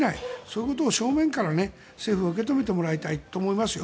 そういうことを正面から政府は受け止めてもらいたいと思いますよ。